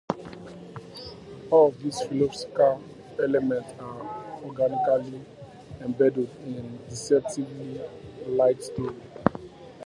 All of these philosophical elements are organically embedded in deceptively 'light' stories.